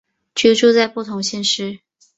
居住在不同县市